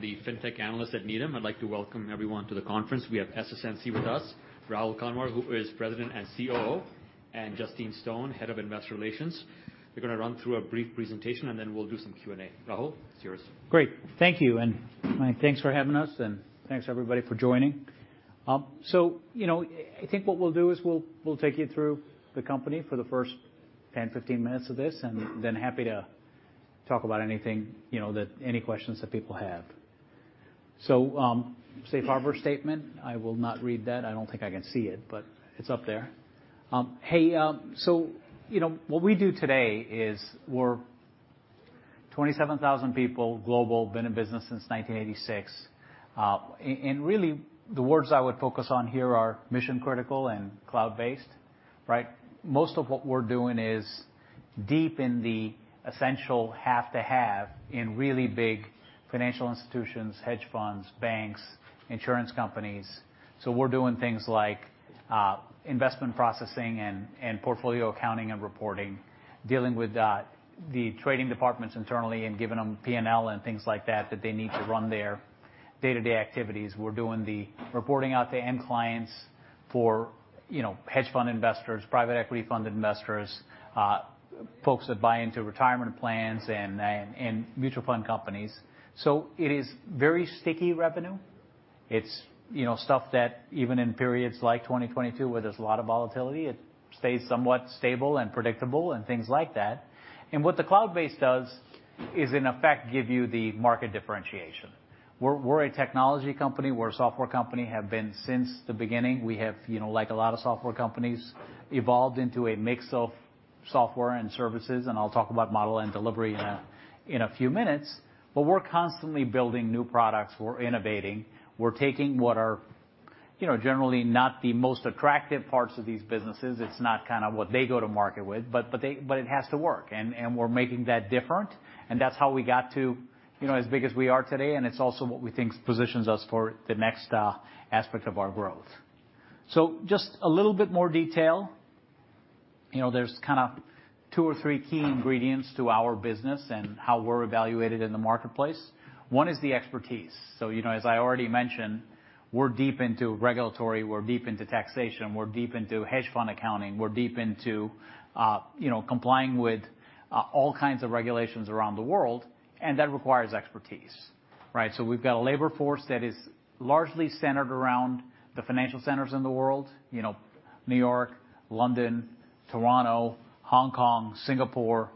The Fintech Analyst at Needham. I'd like to welcome everyone to the conference. We have SS&C with us, Rahul Kanwar, who is President and COO, and Justine Stone, Head of Investor Relations. They're gonna run through a brief presentation, and then we'll do some Q&A. Rahul, it's yours. Great. Thank you. Thanks for having us, and thanks, everybody, for joining. What we'll do is we'll take you through the company for the first 10, 15 minutes of this, and then happy to talk about anything, you know, that any questions that people have. Safe harbor statement, I will not read that. I don't think I can see it, but it's up there. What we do today is we're 27,000 people global, been in business since 1986. And really the words I would focus on here are mission-critical and cloud-based, right? Most of what we're doing is deep in the essential have-to-have in really big financial institutions, hedge funds, banks, insurance companies. We're doing things like investment processing and portfolio accounting and reporting, dealing with the trading departments internally and giving them P&L and things like that that they need to run their day-to-day activities. We're doing the reporting out to end clients for, you know, hedge fund investors, private equity fund investors, folks that buy into retirement plans and mutual fund companies. It is very sticky revenue. It's, you know, stuff that even in periods like 2022, where there's a lot of volatility, it stays somewhat stable and predictable and things like that. What the cloud-based does is in effect give you the market differentiation. We're a technology company. We're a software company, have been since the beginning. We have a lot of software companies, evolved into a mix of software and services, and I'll talk about model and delivery in a few minutes. We're constantly building new products. We're innovating. We're taking what are generally not the most attractive parts of these businesses. It's not what they go to market with, but it has to work. We're making that different, and that's how we got to as big as we are today, and it's also what we think positions us for the next aspect of our growth. Just a little bit more detail. There's two or three key ingredients to our business and how we're evaluated in the marketplace. One is the expertise. You know, as I already mentioned, we're deep into regulatory, we're deep into taxation, we're deep into hedge fund accounting, we're deep into, you know, complying with all kinds of regulations around the world, and that requires expertise, right? We've got a labor force that is largely centered around the financial centers in the world New York, London, Toronto, Hong Kong, Singapore,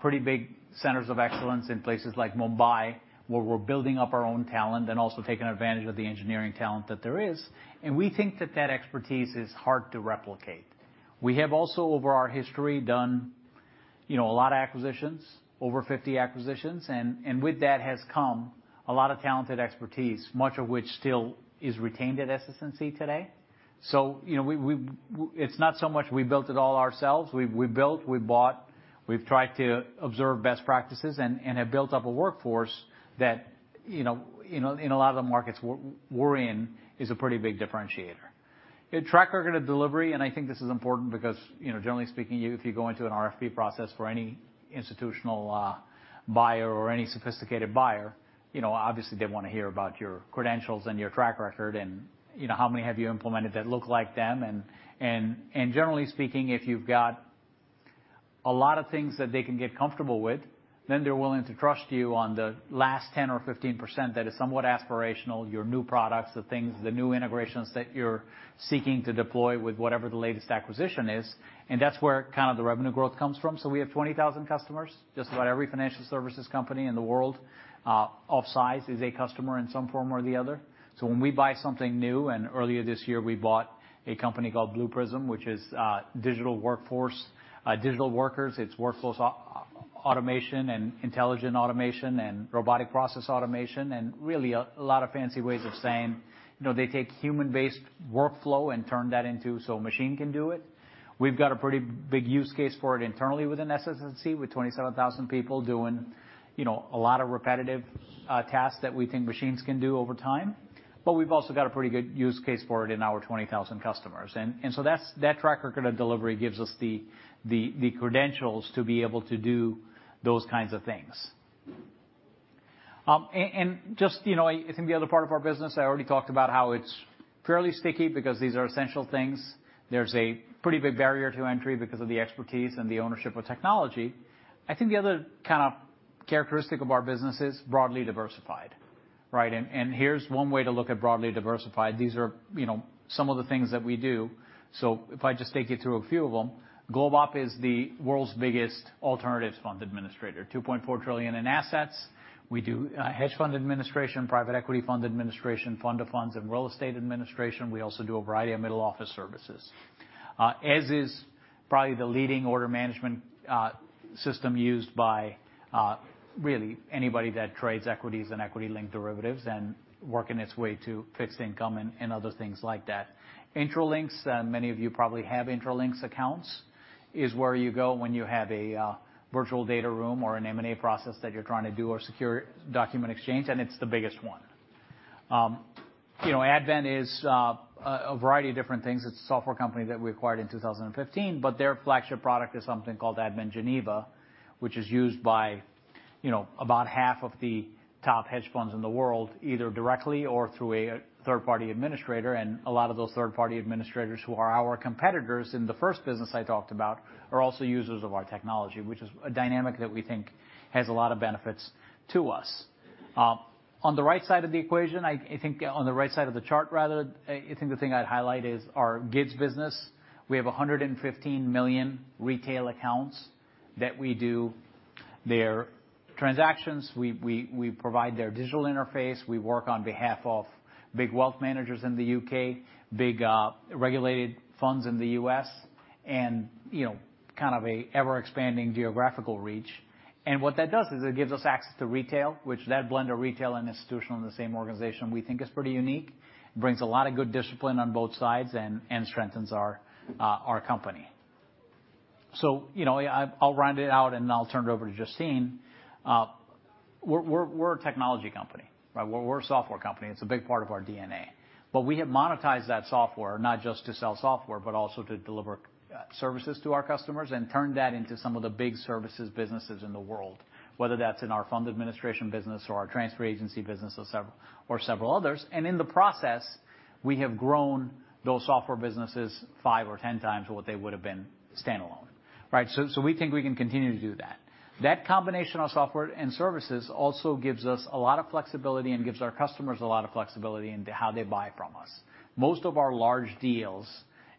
pretty big centers of excellence in places like Mumbai, where we're building up our own talent and also taking advantage of the engineering talent that there is. We think that expertise is hard to replicate. We have also over our history done a lot of acquisitions, over 50 acquisitions, and with that has come a lot of talented expertise, much of which still is retained at SS&C today. It's not so much we built it all ourselves. We built, we bought, we've tried to observe best practices and have built up a workforce that in a lot of the markets we're in is a pretty big differentiator. A track record of delivery. I think this is important because, you know, generally speaking, if you go into an RFP process for any institutional buyer or any sophisticated buyer, you know, obviously they wanna hear about your credentials and your track record and, you know, how many have you implemented that look like them. Generally speaking, if you've got a lot of things that they can get comfortable with, then they're willing to trust you on the last 10% or 15% that is somewhat aspirational, your new products, the things, the new integrations that you're seeking to deploy with whatever the latest acquisition is, and that's where the revenue growth comes from. We have 20,000 customers. Just about every financial services company in the world of size is a customer in some form or the other. When we buy something new, and earlier this year we bought a company called Blue Prism, which is digital workforce, digital workers. It's workflows automation and intelligent automation and robotic process automation, and really a lot of fancy ways of saying, you know, they take human-based workflow and turn that into so a machine can do it. We've got a pretty big use case for it internally within SS&C with 27,000 people doing, you know, a lot of repetitive tasks that we think machines can do over time. We've also got a pretty good use case for it in our 20,000 customers. That track record of delivery gives us the credentials to be able to do those kinds of things. Just I think the other part of our business, I already talked about how it's fairly sticky because these are essential things. There's a pretty big barrier to entry because of the expertise and the ownership of technology. I think the other kind of characteristic of our business is broadly diversified, right? Here's one way to look at broadly diversified. These are, you know, some of the things that we do. If I just take you through a few of them. GlobeOp is the world's biggest alternatives fund administrator, $2.4 trillion in assets. We do hedge fund administration, private equity fund administration, fund of funds and real estate administration. We also do a variety of middle office services. Eze is probably the leading order management system used by really anybody that trades equities and equity-linked derivatives and working its way to fixed income and other things like that. Intralinks, many of you probably have Intralinks accounts, is where you go when you have a virtual data room or an M&A process that you're trying to do or secure document exchange. It's the biggest one. You know, Advent is a variety of different things. It's a software company that we acquired in 2015. Their flagship product is something called Advent Geneva, which is used by, you know, about half of the top hedge funds in the world, either directly or through a third-party administrator. A lot of those third-party administrators who are our competitors in the first business I talked about are also users of our technology, which is a dynamic that we think has a lot of benefits to us. On the right side of the equation, I think on the right side of the chart rather, I think the thing I'd highlight is our GIDS business. We have 115 million retail accounts that we do their transactions. We provide their digital interface. We work on behalf of big wealth managers in the U.K., big regulated funds in the U.S., you know, kind of a ever-expanding geographical reach. What that does is it gives us access to retail, which that blend of retail and institutional in the same organization we think is pretty unique. Brings a lot of good discipline on both sides and strengthens our company. You know, I'll round it out, and I'll turn it over to Justine. We're a technology company, right? We're a software company. It's a big part of our DNA. We have monetized that software not just to sell software, but also to deliver services to our customers and turn that into some of the big services businesses in the world, whether that's in our fund administration business or our transfer agency business or several others. In the process, we have grown those software businesses 5x or 10x what they would've been standalone, right? So we think we can continue to do that. That combination of software and services also gives us a lot of flexibility and gives our customers a lot of flexibility into how they buy from us. Most of our large deals,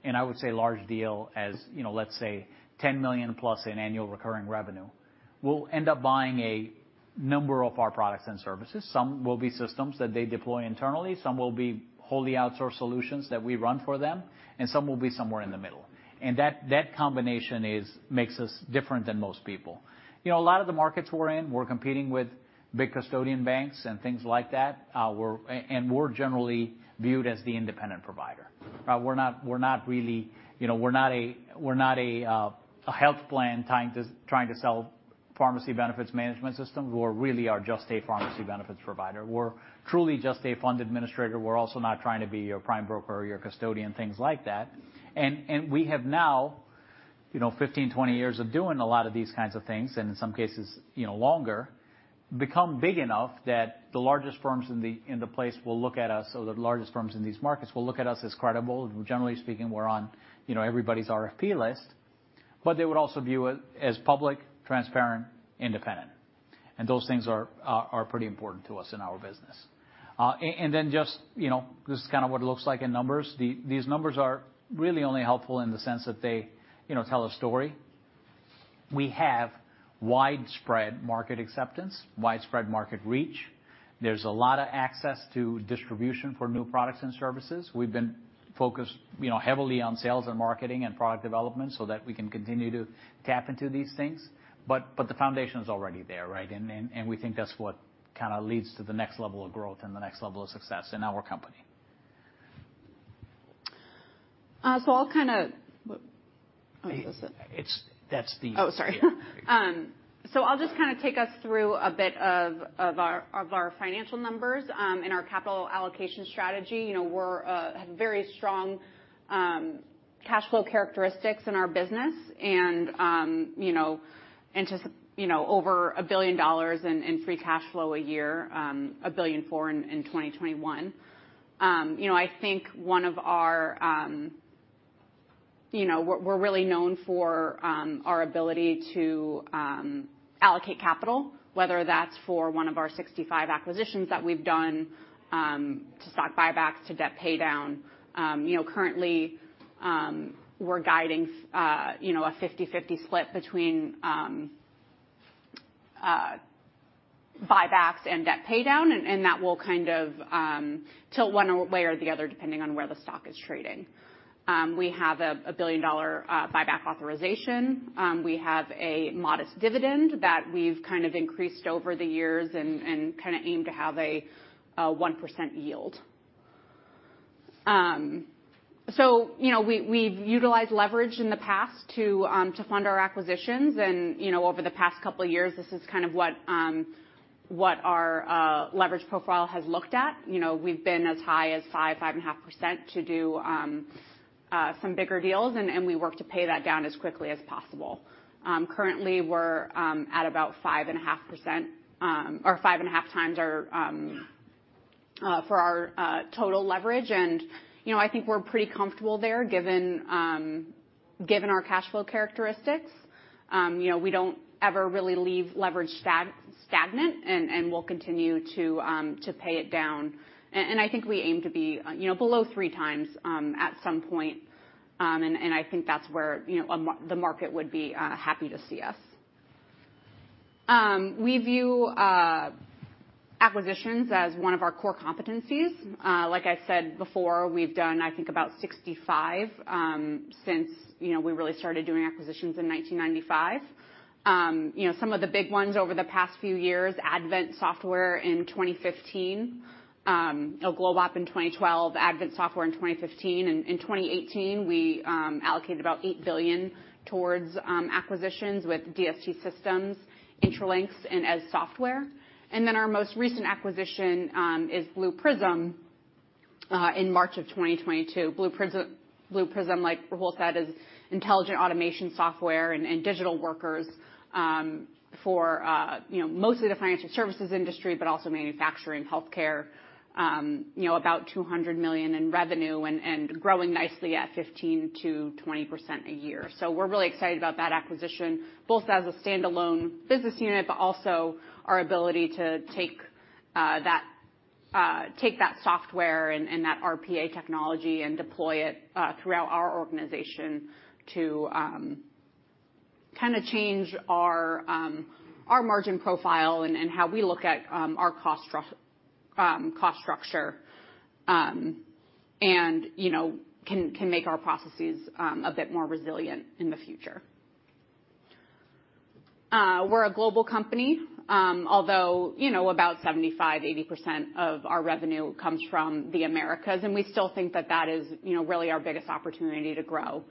and I would say large deal as, you know, let's say $10 million+ in annual recurring revenue, will end up buying a number of our products and services. Some will be systems that they deploy internally, some will be wholly outsourced solutions that we run for them, some will be somewhere in the middle. That, that combination makes us different than most people. A lot of the markets we're in, we're competing with big custodian banks and things like that, we're generally viewed as the independent provider. We're not, we're not really. We're not a health plan trying to sell pharmacy benefits management systems who are really just a pharmacy benefits provider. We're truly just a fund administrator. We're also not trying to be your prime broker or your custodian, things like that. We have now 15, 20 years of doing a lot of these kinds of things, and in some cases longer, become big enough that the largest firms in the place will look at us or the largest firms in these markets will look at us as credible. Generally speaking, we're on, you know, everybody's RFP list, they would also view it as public, transparent, independent, and those things are pretty important to us in our business. Just this is kind of what it looks like in numbers. These numbers are really only helpful in the sense that they, you know, tell a story. We have widespread market acceptance, widespread market reach. There's a lot of access to distribution for new products and services. We've been focused, you know, heavily on sales and marketing and product development so that we can continue to tap into these things, but the foundation is already there, right? We think that's what kind of leads to the next level of growth and the next level of success in our company. I'll just take us through a bit of our financial numbers and our capital allocation strategy. You know, we had very strong cash flow characteristics in our business and you know, over $1 billion in free cash flow, $1.4 billion in 2021. We're really known for our ability to allocate capital, whether that's for one of our 65 acquisitions that we've done, to stock buybacks to debt paydown. Currently, we're guiding, you know, a 50/50 split between buybacks and debt paydown, and that will kind of tilt one way or the other depending on where the stock is trading. We have a billion-dollar buyback authorization. We have a modest dividend that we've kind of increased over the years and kind of aim to have a 1% yield. You know, we've utilized leverage in the past to fund our acquisitions. Over the past couple of years, this is kind of what our leverage profile has looked at. You know, we've been as high as 5.5% to do some bigger deals, and we work to pay that down as quickly as possible. Currently, we're at about 5.5%, or 5.5x our total leverage. We're pretty comfortable there given given our cash flow characteristics. We don't ever really leave leverage stagnant, and we'll continue to pay it down. I think we aim to be, you know, below 3x at some point. I think that's where, you know, the market would be happy to see us. We view acquisitions as one of our core competencies. Like I said before, we've done, I think, about 65 since, you know, we really started doing acquisitions in 1995. you know, some of the big ones over the past few years, Advent Software in 2015, GlobeOp in 2012, Advent Software in 2015. In 2018, we allocated about $8 billion towards acquisitions with DST Systems, Intralinks and Eze Software. Our most recent acquisition is Blue Prism in March of 2022. Blue Prism, like Rahul said, is intelligent automation software and digital workers, for, you know, mostly the financial services industry, but also manufacturing, health care about $200 million in revenue and growing nicely at 15%-20% a year. We're really excited about that acquisition, both as a standalone business unit, but also our ability to take that software and that RPA technology and deploy it throughout our organization to kind of change our margin profile and how we look at our cost structure, and, you know, can make our processes a bit more resilient in the future. We're a global company, although about 75%-80% of our revenue comes from the Americas, and we still think that that is really our biggest opportunity to grow.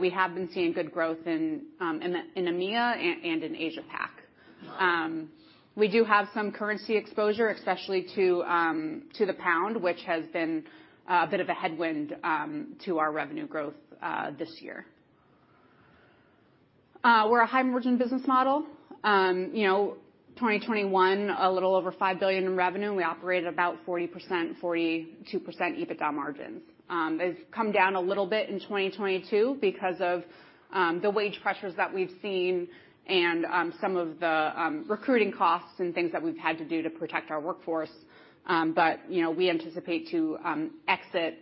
We have been seeing good growth in EMEA and in Asia Pac. We do have some currency exposure, especially to the pound, which has been a bit of a headwind to our revenue growth this year. We're a high-margin business model. 2021, a little over $5 billion in revenue, and we operate at about 40%-42% EBITDA margins. They've come down a little bit in 2022 because of the wage pressures that we've seen and some of the recruiting costs and things that we've had to do to protect our workforce. We anticipate to exit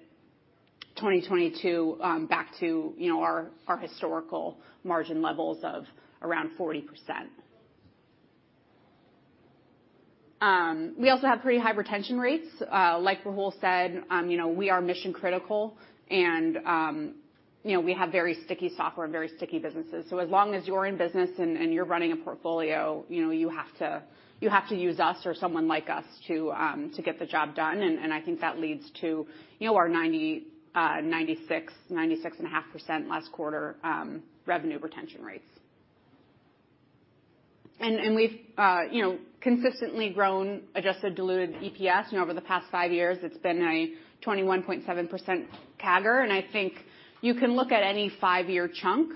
2022 back to our historical margin levels of around 40%. We also have pretty high retention rates. Like Rahul said, you know, we are mission-critical, and, you know, we have very sticky software and very sticky businesses. As long as you're in business and you're running a portfolio, you know, you have to use us or someone like us to get the job done. And I think that leads to, you know, our 96.5% last quarter revenue retention rates. And we've, you know, consistently grown adjusted diluted EPS. You know, over the past 5 years, it's been a 21.7% CAGR. I think you can look at any five-year chunk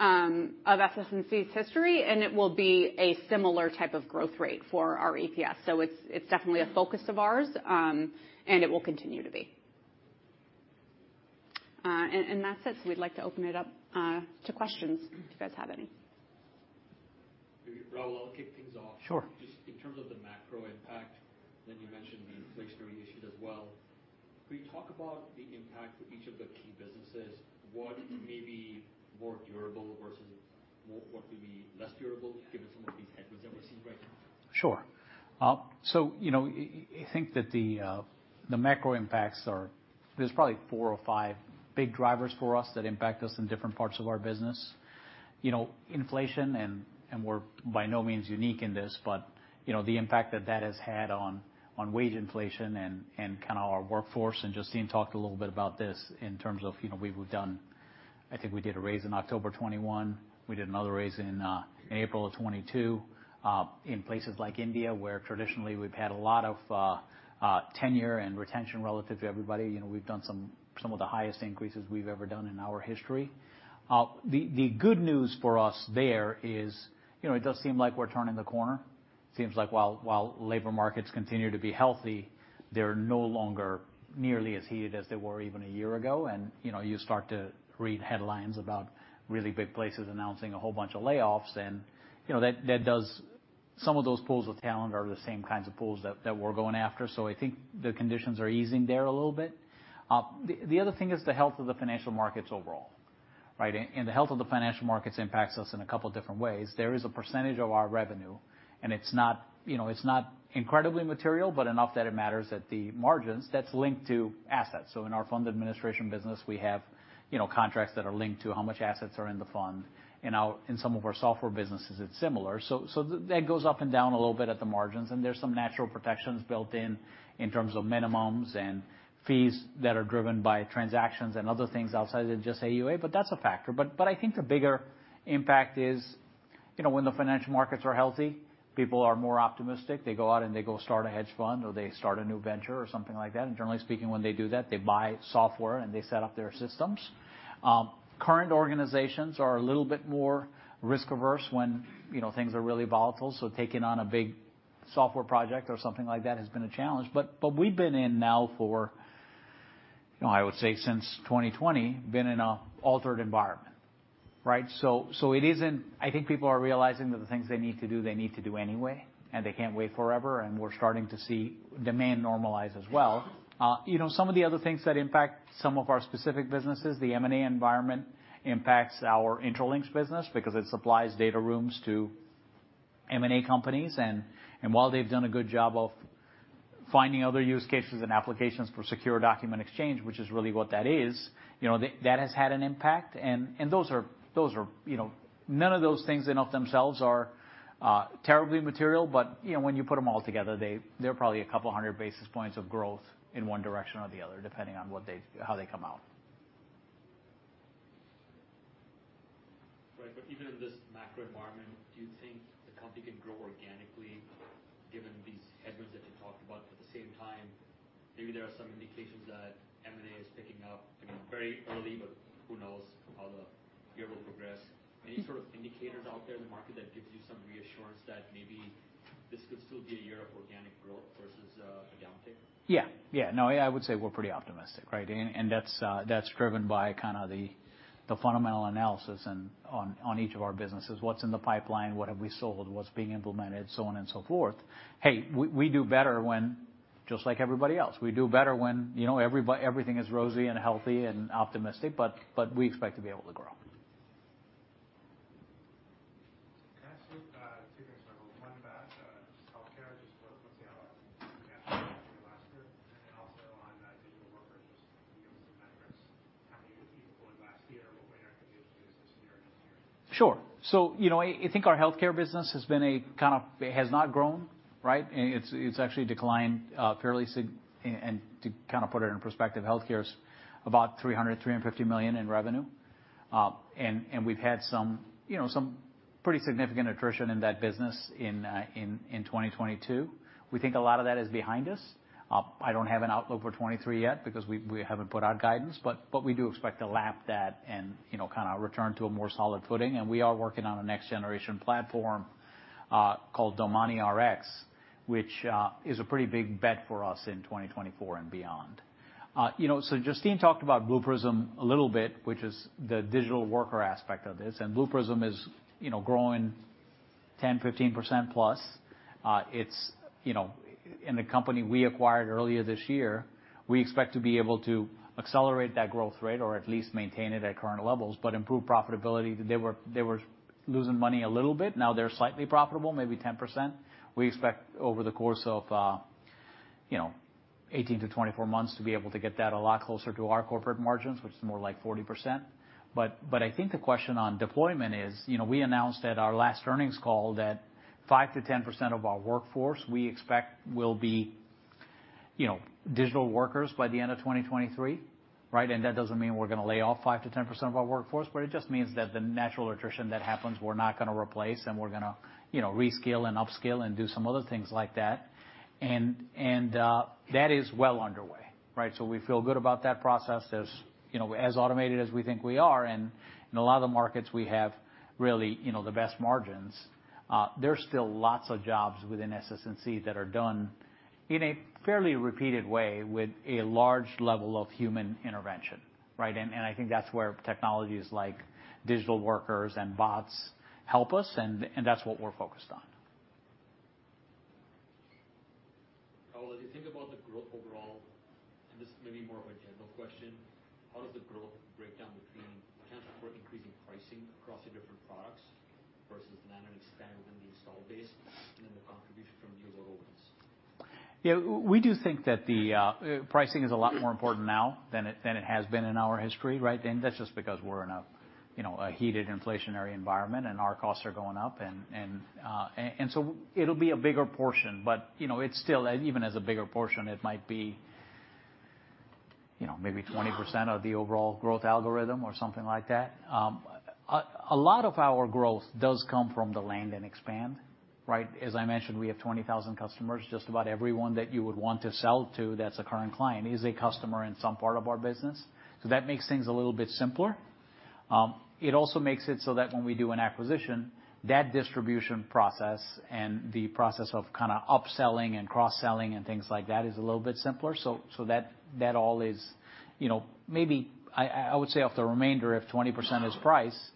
of SS&C's history, and it will be a similar type of growth rate for our EPS. It's definitely a focus of ours, and it will continue to be. That's it. We'd like to open it up to questions if you guys have any. Maybe, Rahul, I'll kick things off. Just in terms of the macro impact, then you mentioned the fixed-rate issue as well. Could you talk about the impact to each of the key businesses? What may be more durable versus what may be less durable given some of these headwinds that we're seeing right now? Sure. You know, I think that the macro impacts are there's probably four or five big drivers for us that impact us in different parts of our business. You know, inflation, and we're by no means unique in this, but, you know, the impact that that has had on wage inflation and kind of our workforce, and Justine talked a little bit about this in terms of, you know, we've done. I think we did a raise in October 2021. We did another raise in April of 2022. In places like India, where traditionally we've had a lot of tenure and retention relative to everybody, you know, we've done some of the highest increases we've ever done in our history. The good news for us there is it does seem like we're turning the corner. Seems like while labor markets continue to be healthy, they're no longer nearly as heated as they were even a year ago. You know, you start to read headlines about really big places announcing a whole bunch of layoffs. That does. Some of those pools of talent are the same kinds of pools that we're going after. I think the conditions are easing there a little bit. The other thing is the health of the financial markets overall, right? The health of the financial markets impacts us in a couple different ways. There is a percentage of our revenue, and it's not, you know, it's not incredibly material but enough that it matters at the margins that's linked to assets. In our fund administration business, we have, you know, contracts that are linked to how much assets are in the fund. In some of our software businesses, it's similar. That goes up and down a little bit at the margins, and there's some natural protections built in in terms of minimums and fees that are driven by transactions and other things outside of just AUA, but that's a factor. I think the bigger impact is, you know, when the financial markets are healthy, people are more optimistic. They go out, and they go start a hedge fund, or they start a new venture or something like that. Generally speaking, when they do that, they buy software, and they set up their systems. Current organizations are a little bit more risk-averse when, you know, things are really volatile, so taking on a big software project or something like that has been a challenge. We've been in now for I would say since 2020, been in a altered environment, right? It isn't. I think people are realizing that the things they need to do, they need to do anyway, and they can't wait forever, and we're starting to see demand normalize as well. You know, some of the other things that impact some of our specific businesses, the M&A environment impacts our Intralinks business because it supplies data rooms to M&A companies. While they've done a good job of finding other use cases and applications for secure document exchange, which is really what that is, you know, that has had an impact. Those are, you know, none of those things in of themselves are terribly material, but, you know, when you put them all together, they're probably a couple hundred basis points of growth in one direction or the other, depending on what they how they come out. Right. Even in this macro environment, do you think the company can grow organically given these headwinds that you talked about? At the same time, maybe there are some indications that M&A is picking up, you know, very early, but who knows how the year will progress. Any sort of indicators out there in the market that gives you some reassurance that maybe this could still be a year of organic growth versus a downturn? No, I would say we're pretty optimistic, right? That's driven by the fundamental analysis on each of our businesses, what's in the pipeline, what have we sold, what's being implemented, so on and so forth. Hey, we do better just like everybody else, we do better when everything is rosy and healthy and optimistic, but we expect to be able to grow. Can I ask you two things, Rahul? One about healthcare last year. Then also on that digital worker, just to give some sense how many you deployed last year, what were your commitments this year and next year? Sure. I think our healthcare business has been. It has not grown, right? It's actually declined, fairly. To put it in perspective, healthcare is about $300 million to $350 million in revenue. We've had some pretty significant attrition in that business in 2022. We think a lot of that is behind us. I don't have an outlook for 2023 yet because we haven't put out guidance, but we do expect to lap that and return to a more solid footing. We are working on a next-generation platform called DomaniRx, which is a pretty big bet for us in 2024 and beyond. Justine talked about Blue Prism a little bit, which is the digital worker aspect of this. Blue Prism is growing 10%-15%+. In the company we acquired earlier this year, we expect to be able to accelerate that growth rate or at least maintain it at current levels, but improve profitability. They were losing money a little bit. Now they're slightly profitable, maybe 10%. We expect over the course of, you know, 18-24 months to be able to get that a lot closer to our corporate margins, which is more like 40%. I think the question on deployment is, you know, we announced at our last earnings call that 5%-10% of our workforce we expect will be, you know, digital workers by the end of 2023, right? That doesn't mean we're gonna lay off 5%-10% of our workforce, but it just means that the natural attrition that happens, we're not gonna replace and we're gonna, you know, reskill and upskill and do some other things like that. That is well underway, right? We feel good about that process. You know, as automated as we think we are, and in a lot of the markets we have really, you know, the best margins, there's still lots of jobs within SS&C that are done in a fairly repeated way with a large level of human intervention, right? I think that's where technologies like digital workers and bots help us, and that's what we're focused on. Rahul, as you think about the growth overall, and this may be more of a general question, how does the growth break down between potential for increasing pricing across the different products versus land and expand within the installed base and then the contribution from new logo wins? We do think that the pricing is a lot more important now than it has been in our history, right? That's just because we're in a heated inflationary environment, and our costs are going up. It'll be a bigger portion, but it's still, even as a bigger portion, it might be maybe 20% of the overall growth algorithm or something like that. A lot of our growth does come from the land and expand, right? As I mentioned, we have 20,000 customers. Just about everyone that you would want to sell to that's a current client is a customer in some part of our business. That makes things a little bit simpler. It also makes it so that when we do an acquisition, that distribution process and the process of upselling and cross-selling and things like that is a little bit simpler. So, that's all, maybe I would say of the remainder, if 20% is price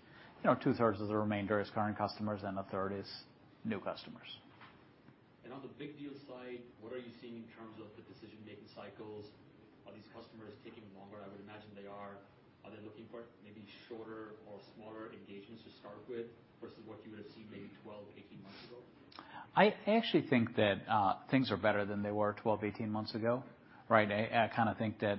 of the remainder is 2/3 current customers and 1/3 is new customers. On the big deal side, what are you seeing in terms of the decision-making cycles? Are these customers taking longer? I would imagine they are. Are they looking for maybe shorter or smaller engagements to start with versus what you would have seen maybe 12, 18 months ago? I actually think that things are better than they were 12, 18 months ago, right? I kinda think that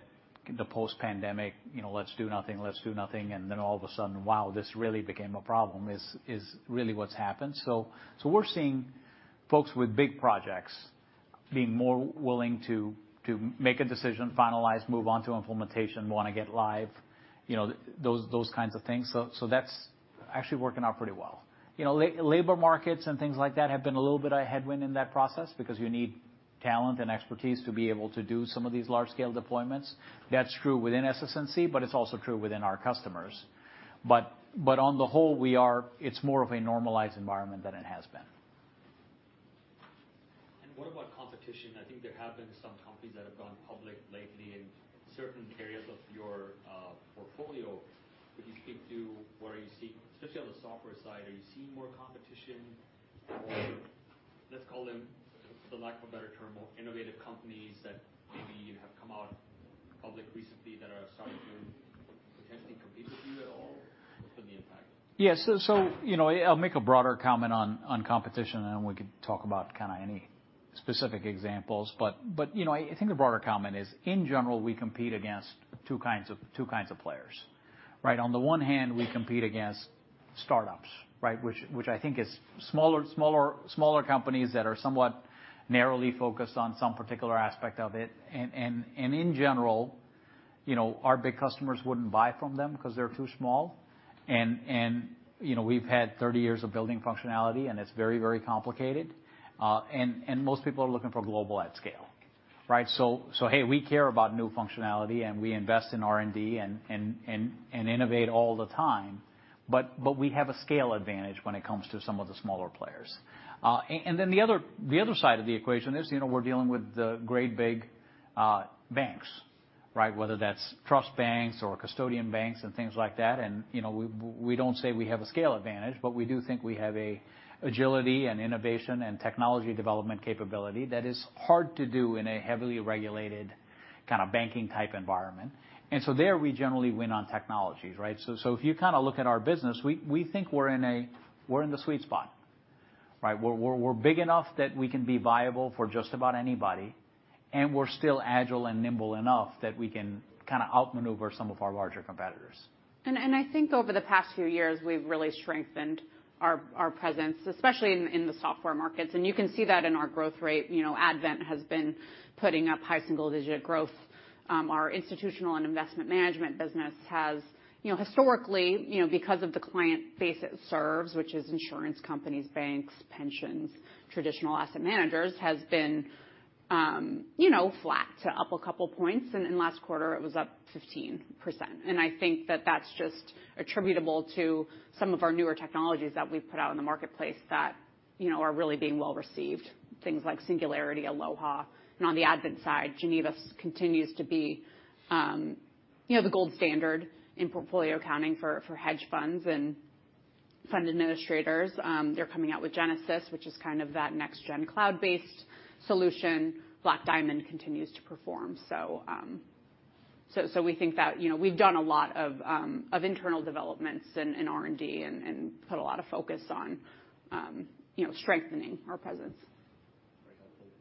the post-pandemic, you know, let's do nothing, let's do nothing, and then all of a sudden, wow, this really became a problem is really what's happened. We're seeing folks with big projects being more willing to make a decision, finalize, move on to implementation, wanna get live, you know, those kinds of things. That's actually working out pretty well. You know, labor markets and things like that have been a little bit a headwind in that process because you need talent and expertise to be able to do some of these large-scale deployments. That's true within SS&C, but it's also true within our customers. On the whole, we are... It's more of a normalized environment than it has been. What about competition? I think there have been some companies that have gone public lately in certain areas of your portfolio. Could you speak to what are you seeing? Especially on the software side, are you seeing more competition or let's call them, for lack of a better term, more innovative companies that maybe have come out public recently that are starting to potentially compete with you at all? What could be the impact? I'll make a broader comment on competition, and then we could talk about any specific examples. But I think the broader comment is, in general, we compete against two kinds of players, right? On the one hand, we compete against startups, right? Which I think is smaller companies that are somewhat narrowly focused on some particular aspect of it. In general. You know, our big customers wouldn't buy from them because they're too small. You know, we've had 30 years of building functionality, and it's very, very complicated. Most people are looking for global at scale, right? Hey, we care about new functionality, and we invest in R&D and innovate all the time. We have a scale advantage when it comes to some of the smaller players. Then the other side of the equation is, you know, we're dealing with the great big banks, right? Whether that's trust banks or custodian banks and things like that. You know, we don't say we have a scale advantage, but we do think we have a agility and innovation and technology development capability that is hard to do in a heavily regulated kind of banking type environment. There, we generally win on technologies, right? If you look at our business, we think we're in the sweet spot, right? We're big enough that we can be viable for just about anybody, and we're still agile and nimble enough that we can kind of outmaneuver some of our larger competitors. I think over the past few years, we've really strengthened our presence, especially in the software markets. You can see that in our growth rate. You know, Advent has been putting up high single-digit growth. Our institutional and investment management business has, you know, historically, you know, because of the client base it serves, which is insurance companies, banks, pensions, traditional asset managers, has been, you know, flat to up two points. In last quarter, it was up 15%. I think that's just attributable to some of our newer technologies that we've put out in the marketplace that are really being well received, things like Singularity, Aloha. On the Advent side, Geneva continues to be the gold standard in portfolio accounting for hedge funds and fund administrators. They're coming out with Genesis, which is that next-gen cloud-based solution. Black Diamond continues to perform. We think that we've done a lot of internal developments in R&D and put a lot of focus on strengthening our presence. Very helpful.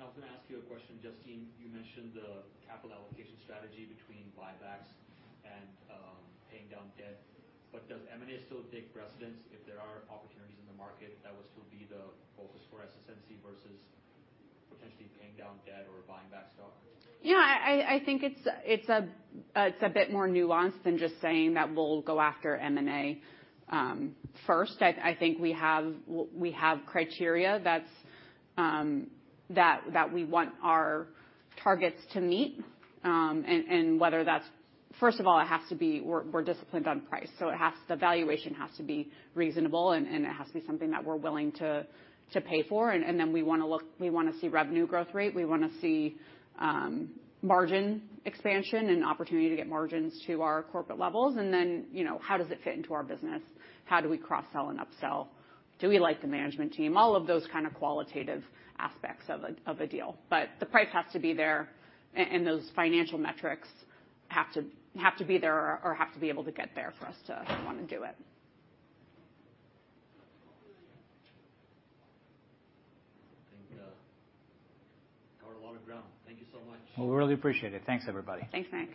I was gonna ask you a question. Justine, you mentioned the capital allocation strategy between buybacks and paying down debt. Does M&A still take precedence if there are opportunities in the market that will still be the focus for SS&C versus potentially paying down debt or buying back stock? I think it's a bit more nuanced than just saying that we'll go after M&A first. I think we have criteria that we want our targets to meet. First of all, it has to be we're disciplined on price, so the valuation has to be reasonable, and it has to be something that we're willing to pay for. Then we wanna see revenue growth rate. We wanna see margin expansion and opportunity to get margins to our corporate levels. Then how does it fit into our business? How do we cross-sell and upsell? Do we like the management team? All of those qualitative aspects of a deal. The price has to be there, and those financial metrics have to be there or have to be able to get there for us to wanna do it. covered a lot of ground. Thank you so much. Well, we really appreciate it. Thanks, everybody. Thanks, Mayank.